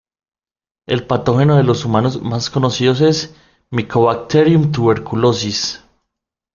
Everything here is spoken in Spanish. El patógeno de los humanos más conocido es "Mycobacterium tuberculosis".